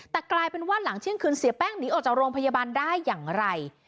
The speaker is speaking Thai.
แต่กลายเป็นว่าหลังเที่ยงคืนเสียแป้งหนีออกจากโรงพยาบาลได้อย่างไร